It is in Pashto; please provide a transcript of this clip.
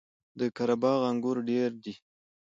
د قره باغ انګور ډیر دي